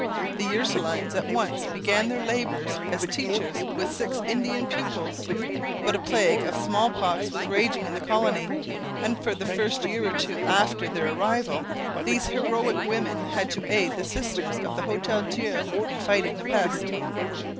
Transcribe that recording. The Ursulines at once began their labours as teachers with six Indian pupils. But a plague of small pox was raging in the colony, and for the first year or two after their arrival these heroic women had to aid the sisters of the Hotel Dieu in fighting the pest.